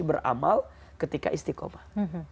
beramal ketika istiqomah